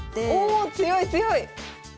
お強い強い！